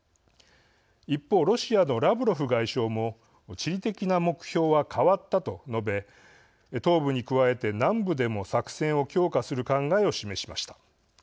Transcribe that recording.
一方、ロシアのラブロフ外相も地理的な目標は変わったと述べ東部に加えて南部でも作戦を強化する考えを示しました。